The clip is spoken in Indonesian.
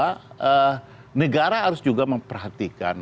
karena negara harus juga memperhatikan